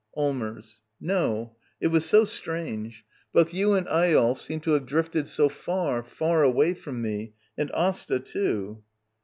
Allmers. No. It was so strange* Both you and Eyolf seemed to have drifted so far, far away from me — and Asta, too.